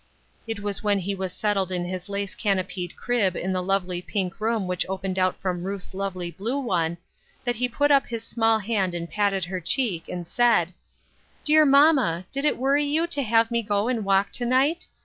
It was when he was settled in his lace canopied crib in the lovely pink room which opened out from Ruth's lovely blue one, that he put up his small hand and patted her cheek, and said :" Dear mamma, did it worry you to have me go and walk to night